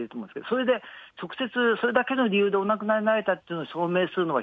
それで直接、それだけの理由でお亡くなりになられたというのを証明するのは、